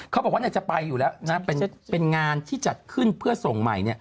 เขาบอกว่าจะไปอยู่แล้วนะเป็นงานที่จัดขึ้นเพื่อส่งใหม่